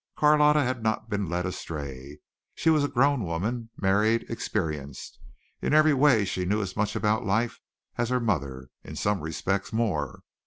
Carlotta had not been led astray. She was a grown woman, married, experienced. In every way she knew as much about life as her mother in some respects more.